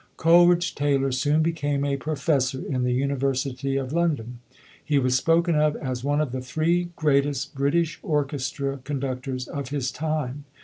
Coleridge Taylor soon became a professor in the University of London. He was spoken of as one of the three greatest British orchestra con ductors of his time.